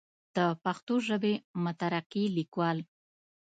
دَ پښتو ژبې مترقي ليکوال